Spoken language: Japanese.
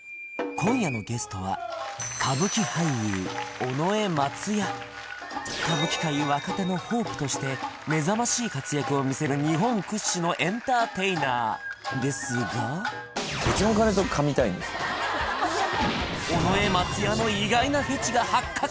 今夜のゲストは歌舞伎界若手のホープとして目覚ましい活躍を見せる日本屈指のエンターテイナーですが結論から言うと尾上松也の意外なフェチが発覚！